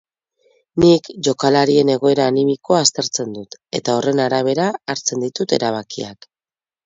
Nik jokalarien egoera animikoa aztertzen dut, eta horren arabera hartzen ditut erabakiak.